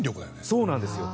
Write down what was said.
そうなんですよ。